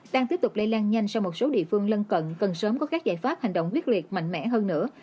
đang tiếp tục lây lan nhanh sang một số địa phương lân cận cần sớm có các giải pháp hành động quyết liệt mạnh mẽ hơn nữa